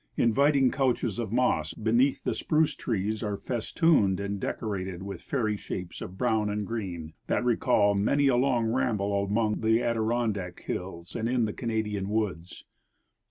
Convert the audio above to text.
Inviting couches of moss beneath the spruce trees are festooned and decorated with fairy shapes of brown and green, that recall many a long ramble among the Adirondack hills and in the Canadian Avoods.